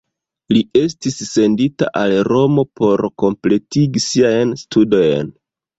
Li estis sendita al Romo por kompletigi siajn studojn.